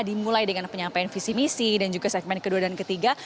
dimulai dengan penyampaian visi misi dan juga segmen kedua dan ketiga